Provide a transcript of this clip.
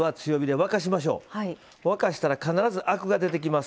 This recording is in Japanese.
沸かしたら必ずアクが出てきます。